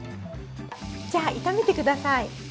じゃあ炒めて下さい。